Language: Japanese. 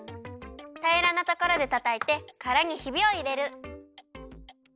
たいらなところでたたいてからにヒビをいれる。